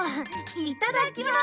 いただきます。